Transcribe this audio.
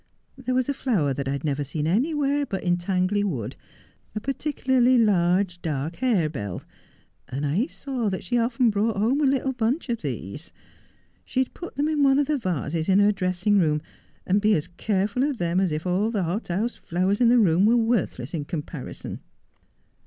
There was a flower that I had never seen anywhere but in Tangley Wood, a particularly large dark harebell, and I saw that she often brought home a little bunch of these. She would put them in one of the vases in her dressing room, and be as careful of them as if all the hothouse flowers in the room were worthless in comparison.